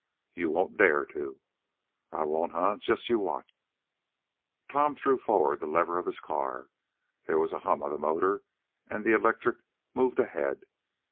"You won't dare to!" "I won't, eh? Just you watch." Tom threw forward the lever of his car. There was a hum of the motor, and the electric moved ahead.